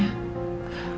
iya enak enak